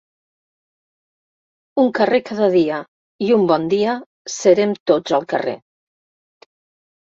Un carrer cada dia i un bon dia serem tots al carrer.